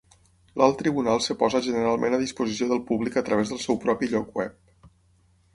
L'Alt Tribunal es posa generalment a disposició del públic a través del seu propi lloc web.